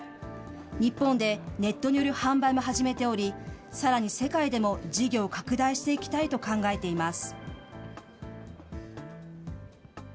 日本でネットによる販売も始めており、さらに世界でも事業拡大していきたいと考えています。